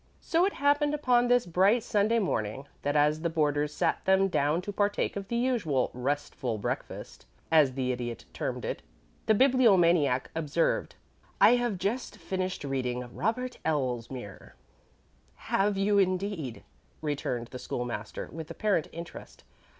So it happened upon this bright Sunday morning that as the boarders sat them down to partake of the usual "restful breakfast," as the Idiot termed it, the Bibliomaniac observed: "I have just finished reading Robert Elsmere." "Have you, indeed?" returned the School master, with apparent interest.